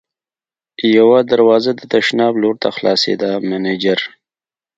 یوه دروازه د تشناب لور ته خلاصېده، مېنېجر.